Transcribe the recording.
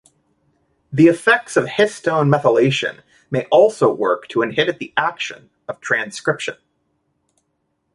The effects of histone methylation may also work to inhibit the action of transcription.